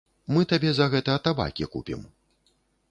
Мы табе за гэта табакі купім.